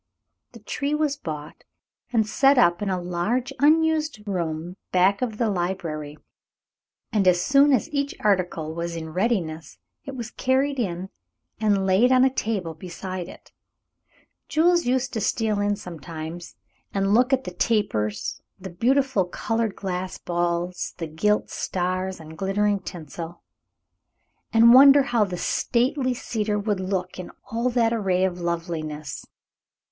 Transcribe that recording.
The tree was bought and set up in a large unused room back of the library, and as soon as each article was in readiness it was carried in and laid on a table beside it. Jules used to steal in sometimes and look at the tapers, the beautiful colored glass balls, the gilt stars and glittering tinsel, and wonder how the stately cedar would look in all that array of loveliness.